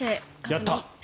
やった。